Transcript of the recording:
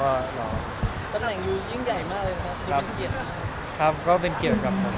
ก็ได้มีผลงานก็มีเรื่อยอยู่แล้วครับผม